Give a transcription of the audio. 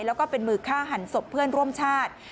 แล้วก็เป็นมือฆ่าหันศพเพื่อนร่วมชาติ